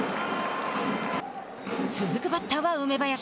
続くバッターは梅林。